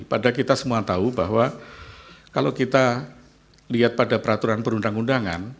padahal kita semua tahu bahwa kalau kita lihat pada peraturan perundang undangan